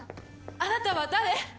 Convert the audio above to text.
あなたは誰？